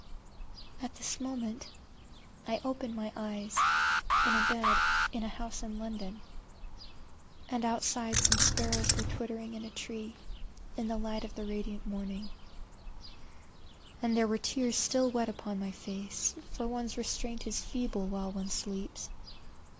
At this moment I opened my eyes in bed in a house in London, and outside some sparrows were twittering in a tree in the light of the radiant morning; and there were tears still wet upon my face, for one's restraint is feeble while one sleeps.